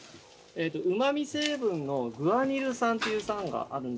うま味成分のグアニル酸という酸があるんですけど。